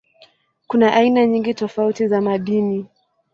Kuna aina nyingi tofauti za madini.